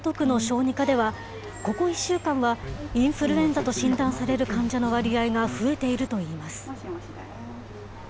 東京・港区の小児科では、ここ１週間は、インフルエンザと診断される患者の割合が増えているといいます。